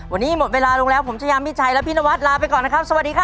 วันนี้หมดเวลาลงแล้วผมชายามิชัยและพี่นวัดลาไปก่อนนะครับสวัสดีครับ